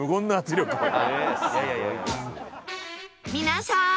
皆さん！